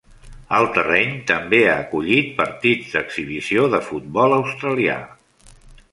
El terreny també ha acollit partits d'exhibició de futbol australià.